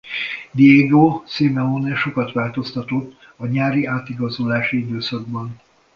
Diego Simeone sokat változtatott a nyári átigazolási időszakban.